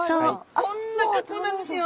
こんな格好なんですよ。